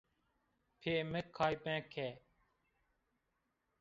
Pê mi kay meke!